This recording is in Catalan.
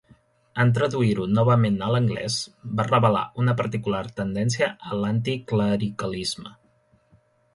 En traduir-ho novament a l'anglès, va revelar una particular tendència a l'anticlericalisme.